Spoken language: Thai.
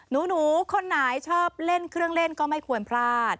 หนูคนไหนชอบเล่นเครื่องเล่นก็ไม่ควรพลาด